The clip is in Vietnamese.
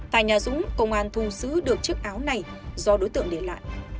tại nhà dũng công an thu giữ được chiếc áo này do đối tượng để lại